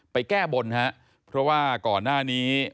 แก้บนครับเพราะว่าก่อนหน้านี้